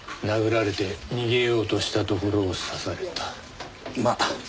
殴られて逃げようとしたところを刺された。